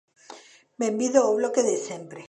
¡Benvido o Bloque de sempre!